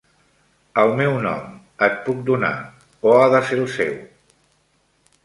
El meu nom, et puc donar, o ha de ser el seu?